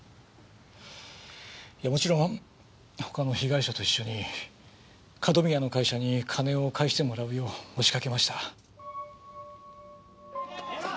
いやもちろん他の被害者と一緒に角宮の会社に金を返してもらうよう押しかけました。